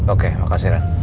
oke makasih ren